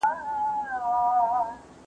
سازمانونه هڅه کوي چې د خلکو ستونزې حل کړي.